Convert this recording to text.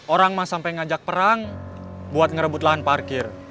orang sampai ngajak perang buat ngerebut lahan parkir